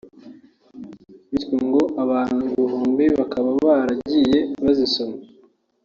bityo ngo abantu ibihumbi bakaba baragiye bazisoma